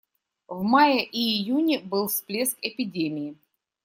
В мае и июне был всплеск эпидемии.